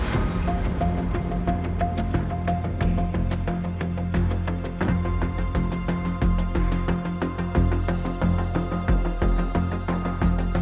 วิทยาลัยแนน